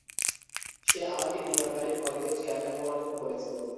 সে আমাকে দিবাকালীন কলেজের চেয়ারম্যান হওয়ার জন্য বলেছিল।